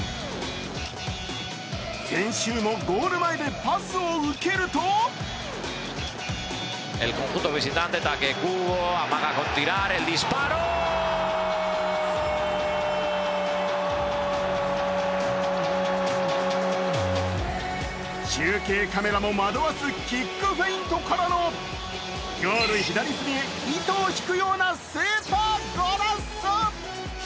先週もゴール前でパスを受けると中継カメラも惑わすキックフェイントからのゴール左隅へ糸を引くようなスーパーゴラッソ！